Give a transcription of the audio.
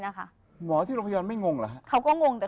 อุ๊ยตายทำไม